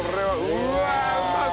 うわあうまそう！